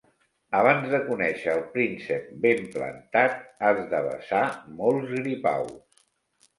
Abans de conèixer el príncep ben plantat has de besar molts gripaus.